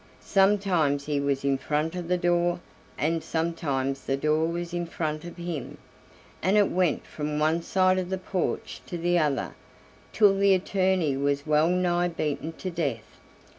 Sometimes he was in front of the door, and sometimes the door was in front of him, and it went from one side of the porch to the other, till the attorney was well nigh beaten to death.